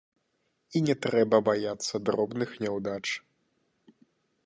І не трэба баяцца дробных няўдач.